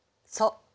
そう。